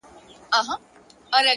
د نورو بخښل زړه سپکوي’